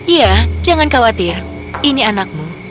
iya jangan khawatir ini anakmu